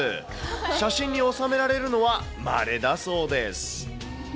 写真に収められるのはまれだそうです。